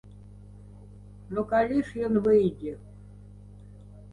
Ну, калі ж ён выйдзе?